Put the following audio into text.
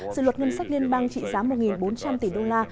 dự luật ngân sách liên bang trị giá một bốn trăm linh tỷ đô la